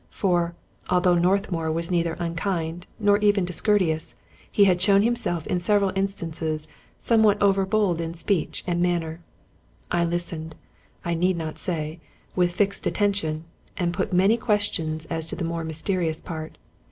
For, although Northmour was neither unkind, nor even discourteous, he had shown him self in several instances somewhat overbold in speech and manner. I listened, I need not say, with fixed attention, and put many questions as to the more mysterious part.